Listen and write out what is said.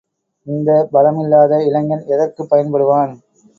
இந்தப் பலமில்லாத இளைஞன் எதற்குப் பயன் படுவான்?